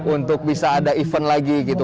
untuk bisa ada event lagi gitu